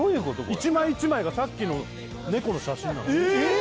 一枚一枚がさっきの猫の写真なんですえっ？